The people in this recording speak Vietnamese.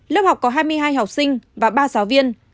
lớp học có hai mươi hai học sinh và ba giáo viên